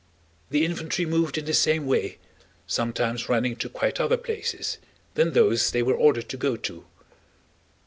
The infantry moved in the same way, sometimes running to quite other places than those they were ordered to go to.